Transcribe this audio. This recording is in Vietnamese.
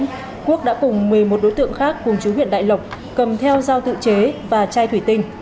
trong hai ngày một mươi một và một mươi hai tháng chín quốc đã cùng một mươi một đối tượng khác cùng chú huyện đại lộc cầm theo dao tự chế và chai thủy tinh